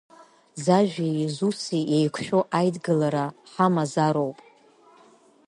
Зажәеи зуси еиқәшәо аидгылара ҳамазароуп.